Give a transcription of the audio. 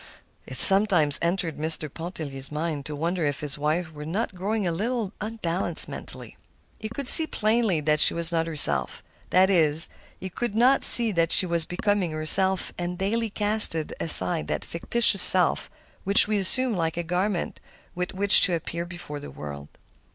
It sometimes entered Mr. Pontellier's mind to wonder if his wife were not growing a little unbalanced mentally. He could see plainly that she was not herself. That is, he could not see that she was becoming herself and daily casting aside that fictitious self which we assume like a garment with which to appear before the world.